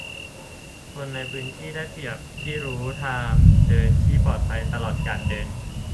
คนในพื้นที่ได้เปรียบที่รู้ทางเดินที่ปลอดภัยตลอดการเดิน